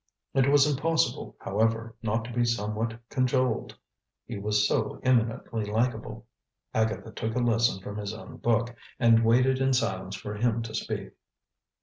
It was impossible, however, not to be somewhat cajoled he was so eminently likable. Agatha took a lesson from his own book, and waited in silence for him to speak.